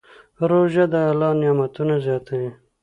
روژه د الله نعمتونه زیاتوي.